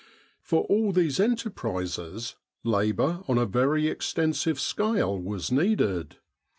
For all these enterprises labour on a very extensive scale was needed.